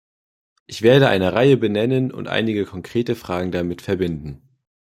Ich werde eine Reihe benennen und einige konkrete Fragen damit verbinden.